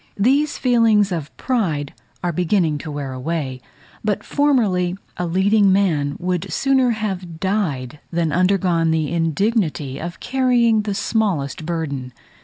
These feelings of pride are beginning to wear away; but formerly a leading man would sooner have died, than undergone the indignity of carrying the smallest burden.